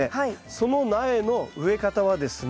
その苗の植え方はですね